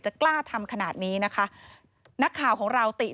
กล้าทำขนาดนี้นะคะนักข่าวของเราติ